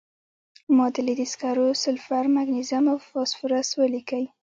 معادلې د سکرو، سلفر، مګنیزیم او فاسفورس ولیکئ.